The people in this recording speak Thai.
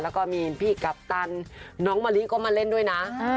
แล้วก็มีพี่กัปตันน้องมะลิก็มาเล่นด้วยนะ